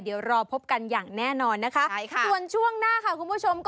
เดี๋ยวรอพบกันอย่างแน่นอนนะคะส่วนช่วงหน้าค่ะคุณผู้ชมค่ะ